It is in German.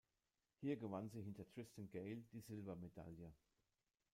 Hier gewann sie hinter Tristan Gale die Silbermedaille.